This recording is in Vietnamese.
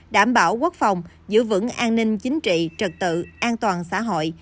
đảm bảo quốc phòng giữ vững an ninh chính trị trật tự an toàn xã hội